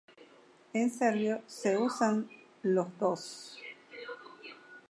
En serbio se usan los dos.